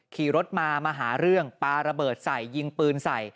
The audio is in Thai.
ขี่รถมามาหาเรื่องปลาระเบิดใส่ยิงปืนใส่